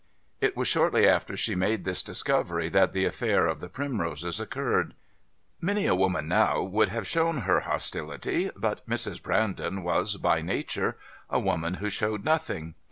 It was shortly after she made this discovery that the affair of the primroses occurred. Many a woman now would have shown her hostility, but Mrs. Brandon was, by nature, a woman who showed nothing.